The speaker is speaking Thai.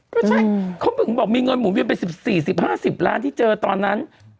ก็ใช่เขาถึงบอกมีเงินหมุนเวียนไป๑๔๐๕๐ล้านที่เจอตอนนั้น